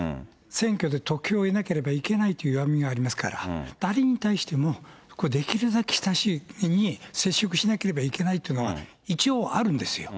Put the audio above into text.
選挙で得票を得なければいけないという弱みがありますから、誰に対してもこれ、できるだけ親しい人に接触しなきゃいけないというのは一応あるんですよ。